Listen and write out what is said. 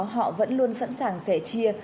họ vẫn luôn sẵn sàng rẻ chia